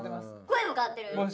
声も変わってる？